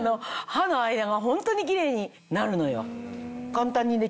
歯の間がホントにキレイになるのよ。